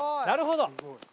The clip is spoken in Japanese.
なるほど！